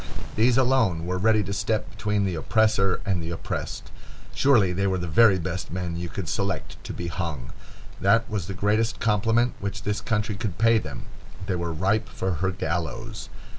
These alone were ready to step between the oppressor and the oppressed. Surely they were the very best men you could select to be hung. That was the greatest compliment which this country could pay them. They were ripe for her gallows.